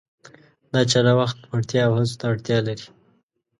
دا چاره وخت، وړتیا او هڅو ته اړتیا لري.